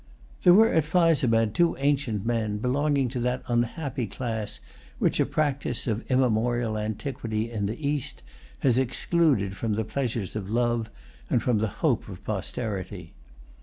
There were at Fyzabad two ancient men, belonging to that unhappy class which a practice, of immemorial antiquity in the East, has excluded from the pleasures of love and from the hope of posterity.